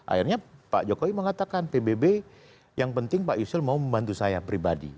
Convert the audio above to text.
akhirnya pak jokowi mengatakan pbb yang penting pak yusril mau membantu saya pribadi